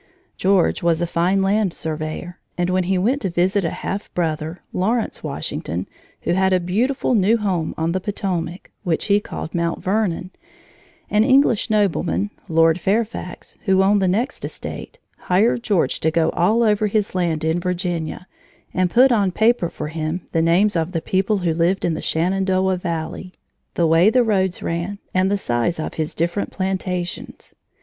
George was a fine land surveyor, and when he went to visit a half brother, Lawrence Washington, who had a beautiful new home on the Potomac, which he called Mount Vernon, an English nobleman, Lord Fairfax, who owned the next estate, hired George to go all over his land in Virginia and put on paper for him the names of the people who lived in the Shenandoah valley, the way the roads ran, and the size of his different plantations.